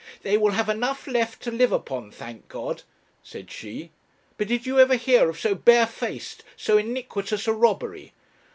'They will have enough left to live upon, thank God,' said she; 'but did you ever hear of so barefaced, so iniquitous a robbery?